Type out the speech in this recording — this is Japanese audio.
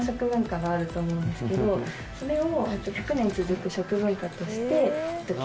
それを。